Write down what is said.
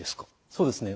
そうですね